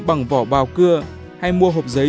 bằng vỏ bào cưa hay mua hộp giấy